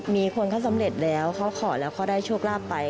มีคนเขาสำเร็จแล้วเขาขอแล้วเขาได้โชคลาภไป